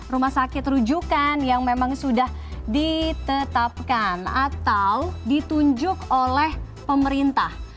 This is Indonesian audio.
rumah sakit rujukan yang memang sudah ditetapkan atau ditunjuk oleh pemerintah